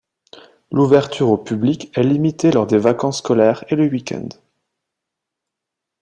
L'ouverture au public est limitée lors des vacances scolaires et le week-end.